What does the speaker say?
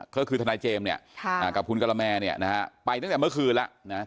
เค้าคือทนายเจมส์เนี่ยกับคุณกรมแมเนี่ยนะครับไปตั้งแต่เมื่อคืนแล้วนะครับ